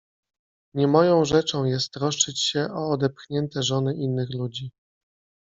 — Nie moją rzeczą jest troszczyć się o odepchnięte żony innych ludzi.